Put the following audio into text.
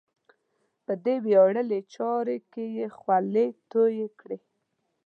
په دې ویاړلې چارې کې یې خولې تویې کړې.